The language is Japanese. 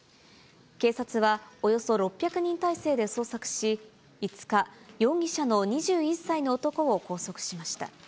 警察はおよそ６００人態勢で捜索し、５日、容疑者の２１歳の男を拘束しました。